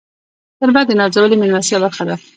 شربت د نازولې میلمستیا برخه ده